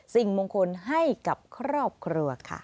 สิ่งมงคลให้กับครอบครัวค่ะ